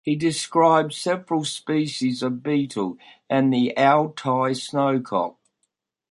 He described several species of beetle and the Altai snowcock.